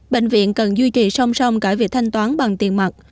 bệnh viện cần duy trì song song cả việc thanh toán bằng tiền mặt